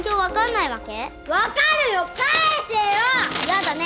やだね。